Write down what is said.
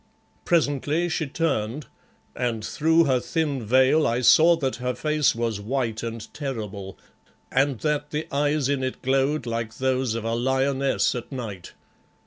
Presently she turned and through her thin veil I saw that her face was white and terrible and that the eyes in it glowed like those of a lioness at night.